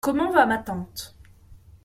Comment va ma tante ?